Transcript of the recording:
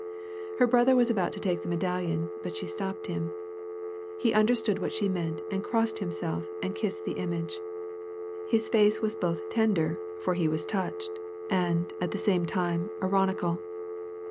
Her brother was about to take the medallion, but she stopped him. He under stood what she meant, and crossed himself and kissed the image. His face was both tender (for he was touched) and, at the same time, ironical.